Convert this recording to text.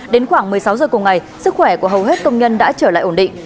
đến khoảng một mươi sáu giờ cùng ngày sức khỏe của hầu hết công nhân đã trở lại ổn định